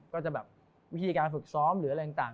ก็จะแบบวิธีการฝึกซ้อมหรืออะไรต่าง